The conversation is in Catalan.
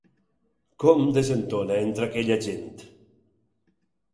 Com desentona, entre aquella gent!